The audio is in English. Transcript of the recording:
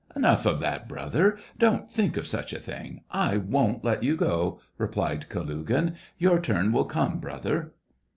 " Enough of that, brother ! Don't think of such a thing ! I won't let you go !" replied Ka lugin. " Your turn will come, brother